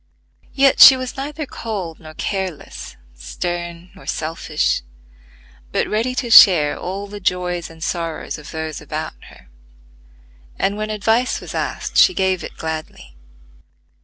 Yet, she was neither cold nor careless, stern nor selfish, but ready to share all the joys and sorrows of those about her; and when advice was asked she gave it gladly.